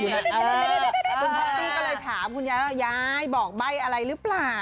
คุณพอตตี้ก็เลยถามคุณยายบอกใบอะไรหรือเปล่า